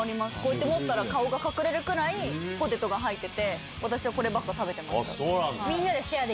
持ったら顔が隠れるくらいポテトが入ってて私はこればっか食べてました。